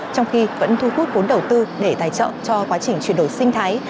trong khi vẫn thu hút vốn đầu tư để tài trợ cho quá trình chuyển đổi sinh thái